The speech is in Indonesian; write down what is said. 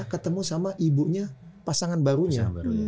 ketemu sama ibunya pasangan barunya